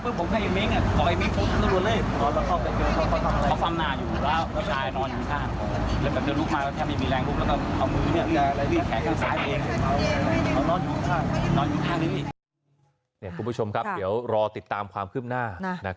เดี๋ยวลุกมาก็แค่ไม่มีแรงลุกแล้วก็เอามือรีบแขกข้างซ้ายเอง